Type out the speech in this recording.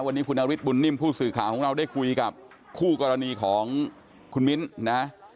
วันนี้คุณนฤทธบุญนิ่มผู้สื่อข่าวของเราได้คุยกับคู่กรณีของคุณมิ้นนะ